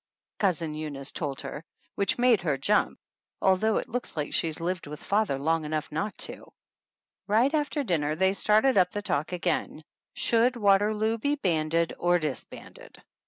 ' Cousin Eunice told her, which made her jump, although it looks like she has lived with father long enough not to. Right after dinner they started up the talk 181 THE ANNALS OF ANN again. Should Waterloo be banded or dis banded?